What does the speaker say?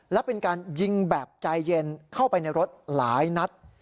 และเป็นการยิงแบบใจเย็นเข้าไปในรถหลายนัด